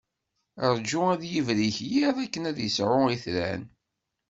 Ṛǧu ad yibrik yiḍ akken ad d-yesɛu itran.